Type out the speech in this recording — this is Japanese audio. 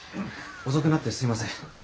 遅くなってすいません。